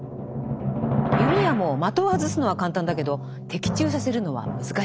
弓矢も的を外すのは簡単だけど的中させるのは難しい。